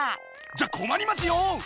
じゃこまりますよ！